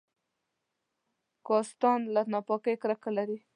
کاستان له ناپاکۍ کرکه لرله.